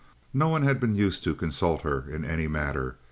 No one had been used to consult her in any matter.